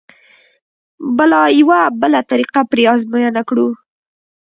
به لا یوه بله طریقه پرې ازموینه کړو.